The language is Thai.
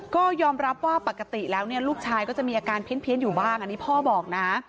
ก็ยอมรับว่าปกติแล้วเนี่ยลูกชายก็จะมีอาการเพี้ยนอยู่บ้างอันนี้พ่อบอกนะ